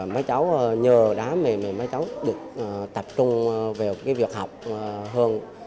mấy cháu nhờ đó mấy cháu được tập trung về việc học hơn